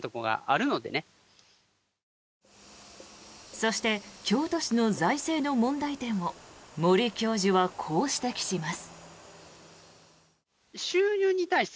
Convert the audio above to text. そして京都市の財政の問題点を森教授はこう指摘します。